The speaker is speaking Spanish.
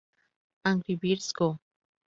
Angry Birds Go!